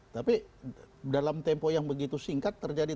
tapi dalam tempo yang begitu singkat terjadi